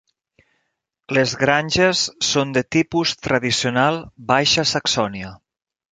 Les granges són de tipus tradicional Baixa Saxònia.